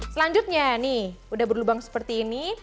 selanjutnya nih udah berlubang seperti ini